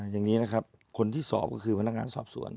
อย่างนี้นะครับคนที่สอบก็คือพนักงานสอบสวน